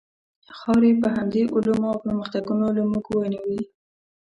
خاورې یې په همدې علومو او پرمختګونو له موږ ونیوې.